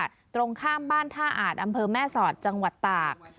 ตรงข้ามบ้านท่าอาจอำเภอแม่สอดจังหวัดตาก